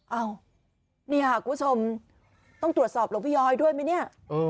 อ้าวนี่ค่ะคุณผู้ชมต้องตรวจสอบหลวงพี่ย้อยด้วยไหมเนี่ย